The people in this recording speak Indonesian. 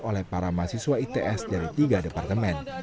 oleh para mahasiswa its dari tiga departemen